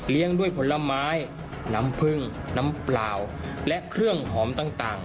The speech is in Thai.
ด้วยผลไม้น้ำผึ้งน้ำเปล่าและเครื่องหอมต่าง